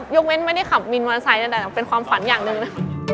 ยกเว้นไม่ได้ขับวินมอเตอร์ไซค์เป็นความฝันอย่างหนึ่งนะ